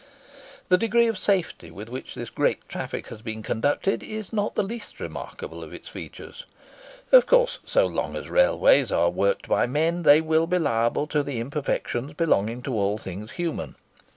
The degree of safety with which this great traffic has been conducted is not the least remarkable of its features. Of course, so long as railways are worked by men they will be liable to the imperfections belonging to all things human.